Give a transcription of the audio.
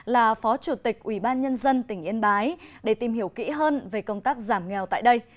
là phó chủ tịch ủy ban nhân dân tỉnh yên bái để tìm hiểu kỹ hơn về công tác giảm nghèo tại đây